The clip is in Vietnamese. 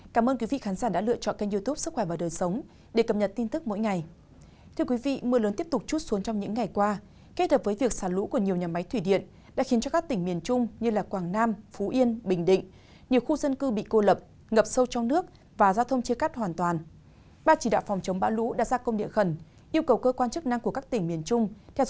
cảm ơn các bạn đã theo dõi và ủng hộ cho bản tin